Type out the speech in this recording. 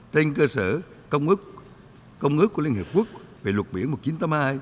trên cơ sở công ước của liên hiệp quốc về luật biển một nghìn chín trăm tám mươi hai